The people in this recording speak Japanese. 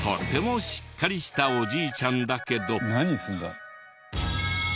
何するんだ？